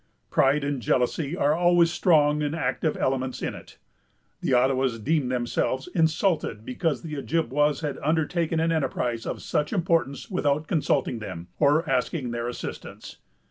Pride and jealousy are always strong and active elements in it. The Ottawas deemed themselves insulted because the Ojibwas had undertaken an enterprise of such importance without consulting them, or asking their assistance.